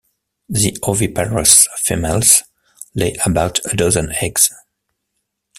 The oviparous females lay about a dozen eggs.